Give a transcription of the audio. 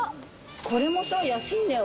これもさ安いんだよ。